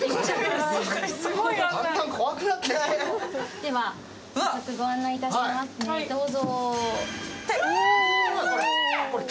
では、早速ご案内しますねどうぞ。